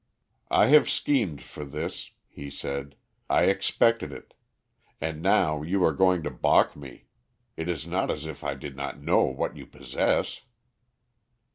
"I have schemed for this," he said. "I expected it. And now you are going to balk me. It is not as if I did not know what you possess."